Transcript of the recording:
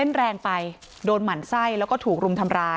โรงพยาบาลธรรมศาสตร์เฉลิมพระเกตจังหวัดปทุมธานี